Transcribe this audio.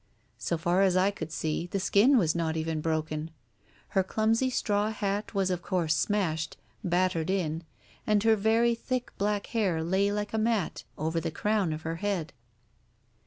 So far as I could see, the skin was not even broken. Her clumsy straw hat was of course smashed, battered in, and her very thick black hair lay like a mat over the crown of her head.